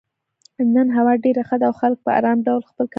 نن هوا ډېره ښه ده او خلک په ارام ډول خپل کارونه کوي.